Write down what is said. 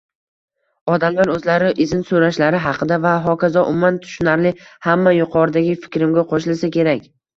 Odamlar oʻzlari izn soʻrashlari haqida va hokazo, umuman tushunarli, hamma yuqoridagi fikrimga qoʻshilsa kerak